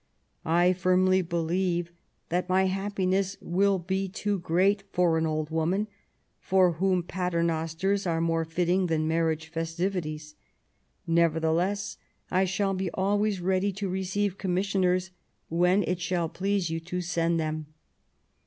I firmly believe that my happiness will be too great for an old woman, for whom Paternosters are more fitting than marriage festivi ties. Nevertheless I shall be always ready to receive commissioners when it shall please you to send them."